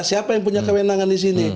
siapa yang punya kewenangan disini